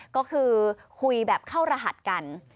ก็คือคุยแบบเข้ารหัสกัน